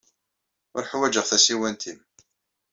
Ur ḥwajeɣ tasiwant-nnem.